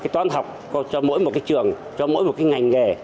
toán học cho mỗi một trường cho mỗi một ngành nghề